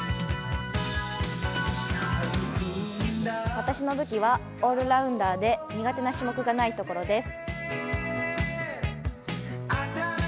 私の武器はオールラウンダーで苦手な種目がないところです。